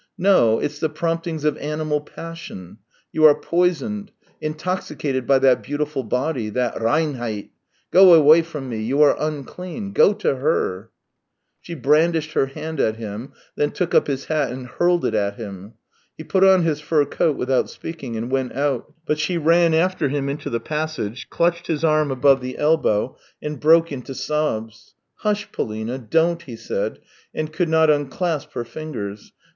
" No; it's the prompting of animal passion ! You are poisoned, intoxicated by that beautiful body, that reinheit ! Go away from me; you are unclean ! Go to her !" She brandished her hand at him, then took up his hat and hurled it at him. He put on his fur coat without speaking and went out, but she ran after him into the passage, clutched his arm above the elbow, and broke into sobs. " Hush, Polina ! Don't !" he said, and could not unclasp her fingers.